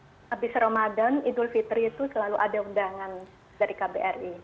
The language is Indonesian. jadi tiap abis ramadhan idul fitri itu selalu ada undangan dari kbri